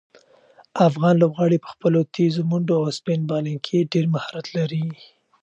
افغان لوبغاړي په خپلو تېزو منډو او سپین بالنګ کې ډېر مهارت لري.